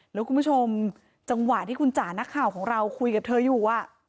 แล้วคุณผู้ชมจังหวะที่คุณจ๋านักข่าวของเราคุยกับเธออยู่